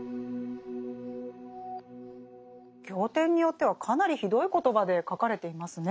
経典によってはかなりひどい言葉で書かれていますね。